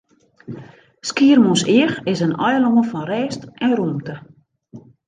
Skiermûntseach is in eilân fan rêst en rûmte.